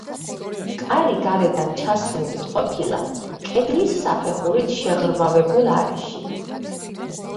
კარი გარედან ჩასმული ყოფილა კედლის საფეხურით შეღრმავებულ არეში.